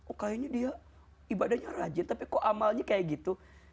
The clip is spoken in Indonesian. oh kayaknya dia ibadahnya rajin tapi kok amalnya kayak gitu